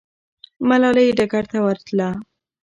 ملالۍ ډګر ته ورتله.